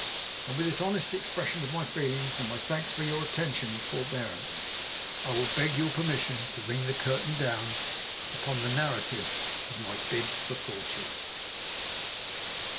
And with this honest expression of my feelings, and my thanks for your attention and forbearance, I will beg your permission to ring the curtain down upon the narrative of my BID FOR FORTUNE.